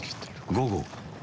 午後。